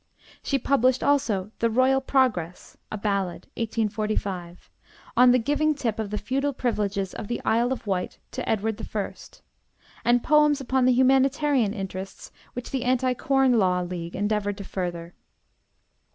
She published also 'The Royal Progress,' a ballad (1845), on the giving tip of the feudal privileges of the Isle of Wight to Edward I.; and poems upon the humanitarian interests which the Anti Corn Law League endeavored to further.